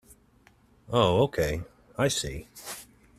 Oh okay, I see.